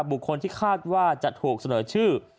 บุคคลที่คาดว่าจะถูกเสนอชื่อ